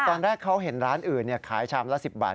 ตอนแรกเขาเห็นร้านอื่นขายชามละ๑๐บาท